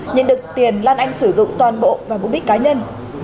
nhưng được tiền lan anh sử dụng toàn bộ và mục đích cá nhân